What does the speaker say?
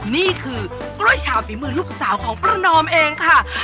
นี่คือกล้วยชาวฝีมือลูกสาวของประนอมเองค่ะ